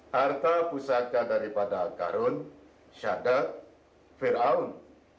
harta pusaka daripada karun syadeh firaun